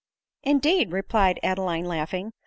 "Indeed?" replied Adeline laughing.